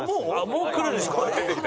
もうくるんですか？